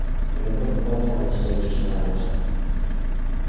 A number of qualifier stages were held.